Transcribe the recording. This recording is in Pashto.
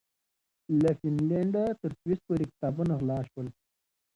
له فنلنډه تر سويس پورې کتابونه غلا شول.